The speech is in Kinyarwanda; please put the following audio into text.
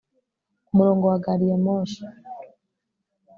umurongo wa gari ya moshi